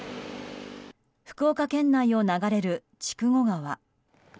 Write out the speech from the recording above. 福岡県内を流れる筑後川。